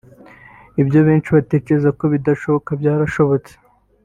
Ibyo benshi batecyerezaga ko bidashoboka byarashobotse